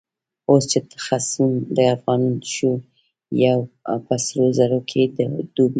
اوس چی خصم د افغان شو، په سرو زرو کی ډوبيږی